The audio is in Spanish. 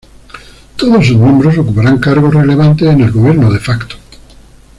Todos sus miembros ocuparán cargos relevantes en el gobierno de facto.